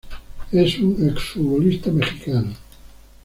Es un exfutbolista mexicano.